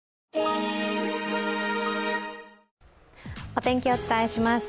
お天気、お伝えします。